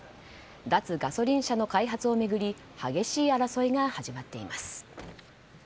脱ガソリン車の開発を巡り激しい争いが始まっています。